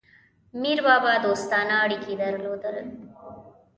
میربابا دوستانه اړیکي درلودل.